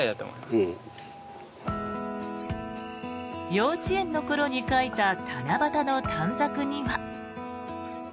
幼稚園の頃に書いた七夕の短冊には。